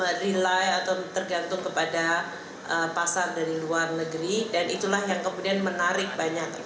jadi dia merilai atau tergantung kepada pasar dari luar negeri dan itulah yang kemudian menarik banyak